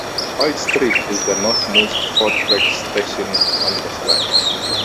Hoyt Street is the northernmost four-track station on this line.